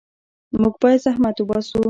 موږ باید زحمت وباسو.